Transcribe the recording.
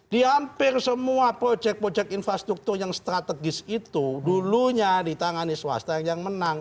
di hampir semua proyek proyek infrastruktur yang strategis itu dulunya ditangani swasta yang menang